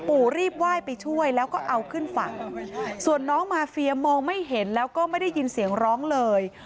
รีบไหว้ไปช่วยแล้วก็เอาขึ้นฝั่งส่วนน้องมาเฟียมองไม่เห็นแล้วก็ไม่ได้ยินเสียงร้องเลย